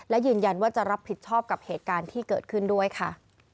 และยืนยันว่าจะรับผิดชอบกับเหตุการณ์ที่เกิดขึ้นด้วยค่ะ